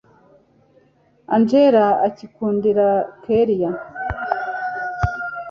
angella ukikundira kellia